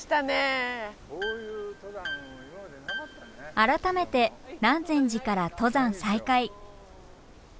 改めて南禅寺から登山再開。